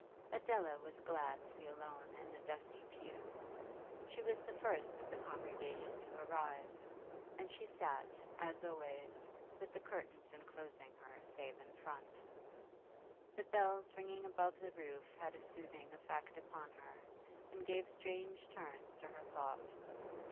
Adela was glad to be alone in the dusky pew. She was the first of the congregation to arrive, and she sat, as always, with the curtains enclosing her save in front. The bells ringing above the roof had a soothing effect upon her, and gave strange turns to her thought.